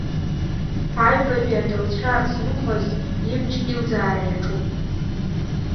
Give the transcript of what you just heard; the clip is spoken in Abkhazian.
Аҩбатәи адауцәа змыхәаз, имч илӡаара иаҿуп.